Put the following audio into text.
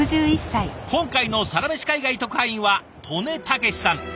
本回のサラメシ海外特派員は刀祢剛さん。